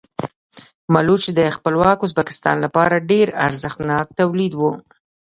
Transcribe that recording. مالوچ د خپلواک ازبکستان لپاره ډېر ارزښتناک تولید و.